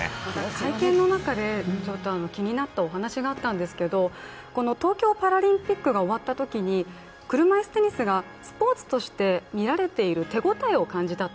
会見の中で気になったお話があったんですけど、東京パラリンピックが終わったときに車いすテニスがスポーツとして見られている手応えを感じたと。